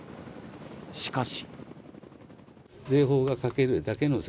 しかし。